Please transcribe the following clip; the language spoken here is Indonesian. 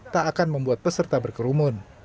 tak akan membuat peserta berkerumun